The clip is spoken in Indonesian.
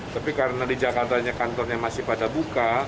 tapi karena di jakartanya kantornya masih pada buka